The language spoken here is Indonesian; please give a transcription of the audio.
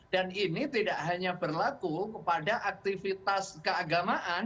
dan ini tidak hanya berlaku kepada aktivitas keagamaan